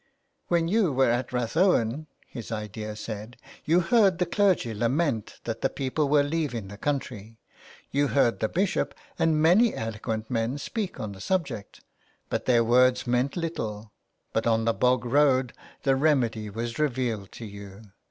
'' When you were at Rathowen," his idea said, "you heard the clergy lament that the people were leaving the country. You heard the bishop and many eloquent men speak on the subject, but their words meant little, but on the bog road the remedy was revealed to you.